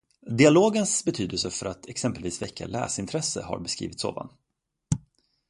Dialogens betydelse för att exempelvis väcka läsintresse har beskrivits ovan.